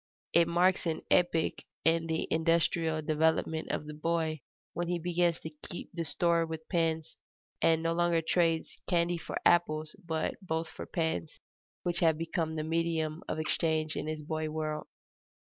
It marks an epoch in the industrial development of the boy when he begins to keep store with pins, and no longer trades candy for apples, but both for pins, which have become the medium of exchange in his boy world.